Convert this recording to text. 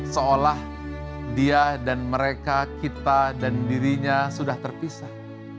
seolah dia dan mereka kita dan dirinya sudah terpisah